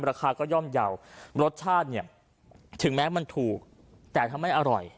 ราคาก็ย่อมเยาว์รสชาติเนี่ยถึงแม้มันถูกแต่ถ้าไม่อร่อย